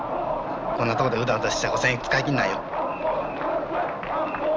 こんなとこでうだうだしてちゃ５，０００円使い切んないよ。